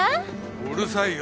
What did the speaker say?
うるさいよ。